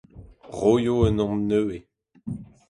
Roio un anv nevez.